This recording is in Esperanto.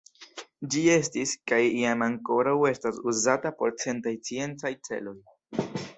Ĝi estis, kaj iam ankoraŭ estas, uzata por certaj sciencaj celoj.